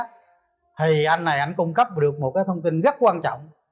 thì anh này anh cung cấp được một cái thông tin rất quan trọng